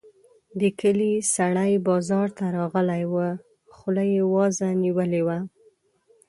د کلي سړی بازار ته راغلی وو؛ خوله يې وازه نيولې وه.